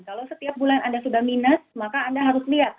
kalau setiap bulan anda sudah minus maka anda harus lihat